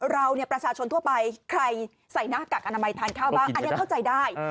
เราเนี่ยประชาชนทั่วไปใครใส่หน้ากากอนามัยทานข้าวบ้างอันนี้เข้าใจได้